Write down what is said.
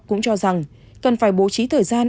cũng cho rằng cần phải bố trí thời gian